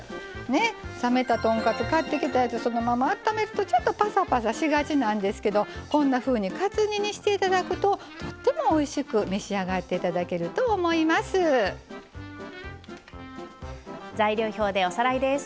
冷めた豚カツ、買ってきたやつそのまま温めるとパサパサしがちなんですけどこんなふうにカツ煮にしていただくととってもおいしく召し上がっていただけると材料表でおさらいです。